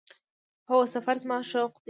هو، سفر زما شوق دی